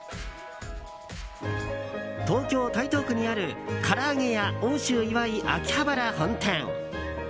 東京・台東区にあるからあげ家奥州いわい秋葉原本店。